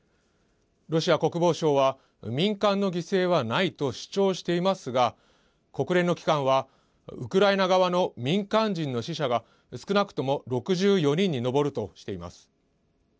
ロシア国防省は民間の犠牲はないと主張していますが国連の機関はウクライナ側の民間人の死者が少なくとも６４人に上るとしています。